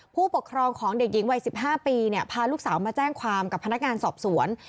ผู้ปกครองของเด็กหญิงวัย๑๕ปีพาลูกสาวมาแจ้งความกับพนักงานสอบสวน